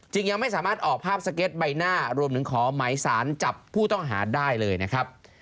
ยังไม่สามารถออกภาพสเก็ตใบหน้ารวมถึงขอหมายสารจับผู้ต้องหาได้เลยนะครับ